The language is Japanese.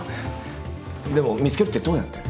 でも見つけるってどうやって？